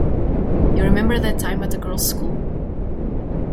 You remember that time at the girls' school?